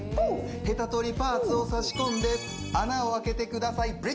ヘタ取りパーツを差し込んで穴を開けてくださいＢｒｅａｋｄｏｗｎ！